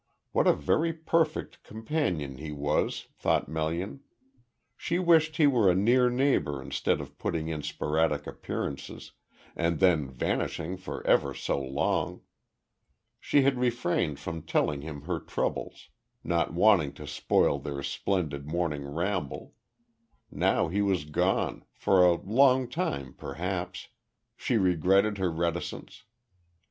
What a very perfect companion he was, thought Melian. She wished he were a near neighbour instead of putting in sporadic appearances, and then vanishing for ever so long. She had refrained from telling him her troubles, not wanting to spoil their splendid morning ramble; now he was gone, for a long time perhaps, she regretted her reticence.